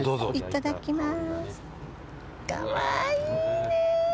いただきます。